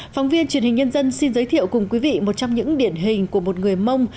phóng viên truyền hình nhân dân xin giới thiệu cùng quý vị một trong những điển hình của một người mông